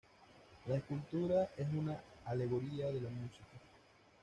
La escultura es una alegoría de la música.